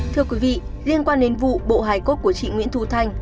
thưa quý vị liên quan đến vụ bộ hài cốt của chị nguyễn thu thanh